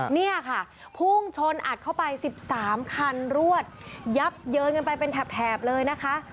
เนี่ยค่ะพุ่งชนอัดเข้าไป๑๓คันรวดยับเยินกันไปเป็นแถบเลยนะคะ